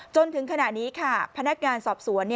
จนถึงขณะนี้ค่ะพนักงานสอบสวน